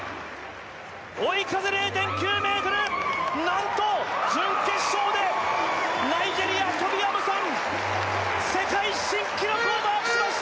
追い風０．９ｍ何と準決勝でナイジェリアトビ・アムサン世界新記録をマークしまし